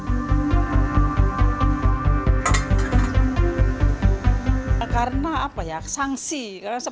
tidak ada kesehatan sampai kemasan